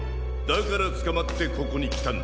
だからつかまってここにきたんだ。